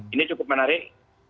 ini cukup menarik